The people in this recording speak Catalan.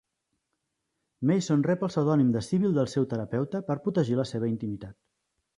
Mason rep el pseudònim de "Sybil" del seu terapeuta per protegir la seva intimitat.